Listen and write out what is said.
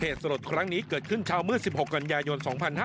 เพศโรธครั้งนี้เกิดขึ้นชาวมือ๑๖กันยายน๒๕๖๑